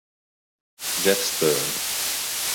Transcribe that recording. Jeff Stern